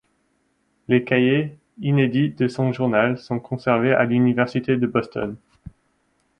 Les cahiers inédits de son journal sont conservés à l'Université de Boston.